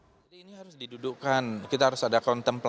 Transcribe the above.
pemilihan langsung saya kira sudah menjadi keputusan amandemen